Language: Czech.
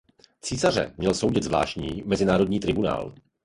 Císaře měl soudit zvláštní mezinárodní tribunál.